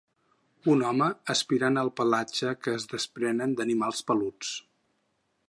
Un home aspirant el pelatge que es desprenen d'animals peluts.